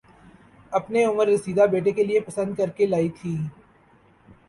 اپنے عمر رسیدہ بیٹے کےلیے پسند کرکے لائی تھیں